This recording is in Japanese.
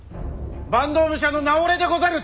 坂東武者の名折れでござる！